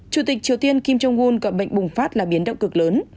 chủ tịch triều tiên kim jong un gọi bệnh bùng phát là biến động cực lớn